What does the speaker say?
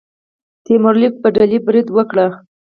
تیمور لنګ په ډیلي برید وکړ.